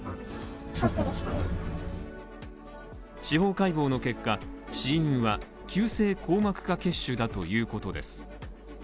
司法解剖の結果、死因は急性硬膜下血腫だということです。